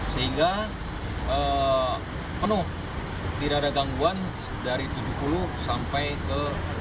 sehingga penuh tidak ada gangguan dari tujuh puluh sampai ke dua ratus enam puluh tiga